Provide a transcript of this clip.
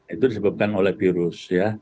itu disebabkan oleh virus